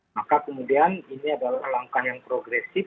maka kemudian ini adalah langkah yang progresif